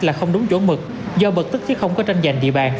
là không đúng chỗ mực do bật tức chứ không có tranh giành địa bàn